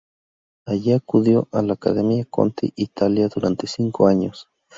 Allí acudió a la academia Conti Italia durante cinco años.